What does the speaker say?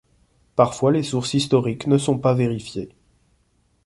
Parfois les sources historiques ne sont pas vérifiées.